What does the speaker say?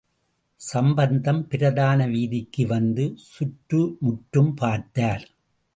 சம்பந்தம், பிரதான வீதிக்கு வந்து, சுற்றுமுற்றும் பார்த்தார்.